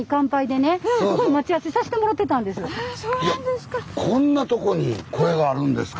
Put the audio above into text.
あそうなんですか！